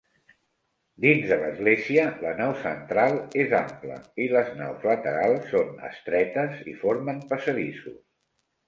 Dins de l'església, la nau central és ampla i les naus laterals són estretes i formen passadissos.